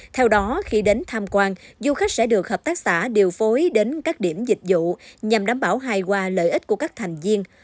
theo đó khi đến tham quan du khách sẽ được hợp tác xã điều phối đến các điểm dịch vụ nhằm đảm bảo hài hòa lợi ích của các thành viên